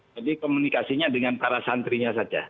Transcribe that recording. jadi komunikasinya dengan para santrinya saja